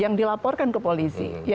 yang dilaporkan ke polisi